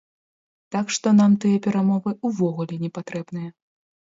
Так што нам тыя перамовы ўвогуле не патрэбныя.